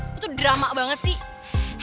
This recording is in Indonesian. itu tuh drama banget sih